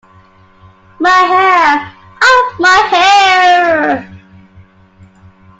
My hair, oh, my hair!